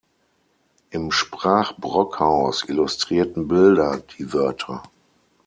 Im Sprach-Brockhaus illustrierten Bilder die Wörter.